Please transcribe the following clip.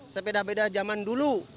sepeda peda zaman dulu